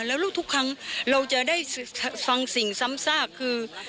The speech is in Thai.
แล้วทุกครั้งเราจะได้ฟังสิ่งซ้ำซากคือ